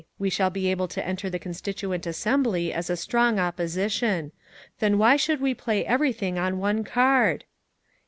We shall be able to enter the Constituent Assembly as a strong opposition. Then why should we play everything on one card?"